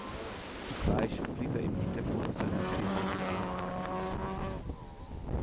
Zugleich blieb er im Hintergrund seiner PvdA aktiv.